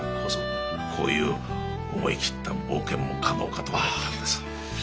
こういう思い切った冒険も可能かと思ったんです。